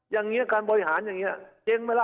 อย่างนี้การบริหารอย่างนี้เจ๊งไหมล่ะ